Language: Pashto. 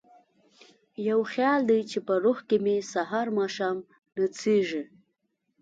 یو خیال دی چې په روح کې مې سهار ماښام نڅیږي